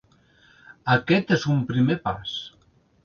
Aquest és un primer pas.